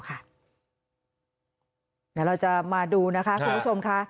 เดี๋ยวเราจะมาดูนะคะคุณผู้ชมค่ะ